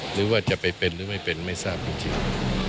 หรือว่าจะไปเป็นหรือไม่เป็นไม่ทราบจริง